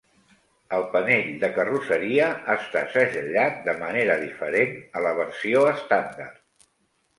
El panell de carrosseria està segellat de manera diferent a la versió estàndard.